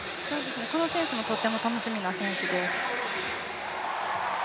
この選手もとっても楽しみな選手です。